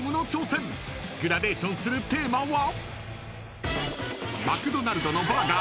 ［グラデーションするテーマは］